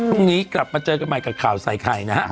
พรุ่งนี้กลับมาเจอกันใหม่กับข่าวใส่ไข่นะฮะ